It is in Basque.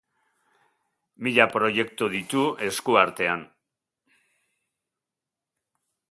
Mila proiektu ditu esku artean.